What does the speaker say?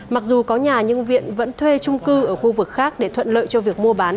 mặc dù có nhà nhưng viện vẫn thuê trung cư ở khu vực khác để thuận lợi cho việc mua bán